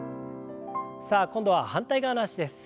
さあ今度は反対側の脚です。